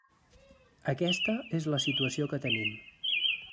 Aquesta és la situació que tenim.